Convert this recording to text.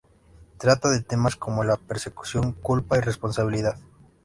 Trata de temas como la persecución, culpa y responsabilidad.